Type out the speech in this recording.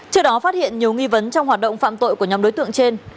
trước đó phát hiện nhiều nghi vấn trong hoạt động phạm tội của nhóm đối tượng trên